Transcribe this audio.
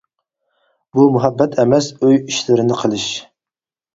-بۇ مۇھەببەت ئەمەس ئۆي ئىشلىرىنى قىلىش.